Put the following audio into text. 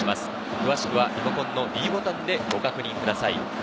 詳しくはリモコンのｄボタンでご確認ください。